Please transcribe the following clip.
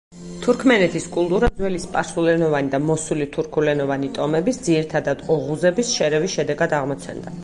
თურქმენეთის კულტურა ძველი სპარსულენოვანი და მოსული თურქულენოვანი ტომების, ძირითადად ოღუზების, შერევის შედეგად აღმოცენდა.